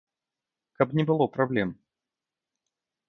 Каб не было праблем.